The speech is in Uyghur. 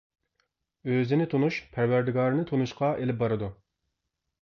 ئۆزىنى تونۇش پەرۋەردىگارىنى تونۇشقا ئېلىپ بارىدۇ.